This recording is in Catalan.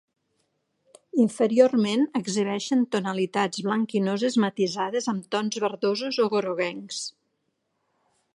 Inferiorment exhibeixen tonalitats blanquinoses matisades amb tons verdosos o groguencs.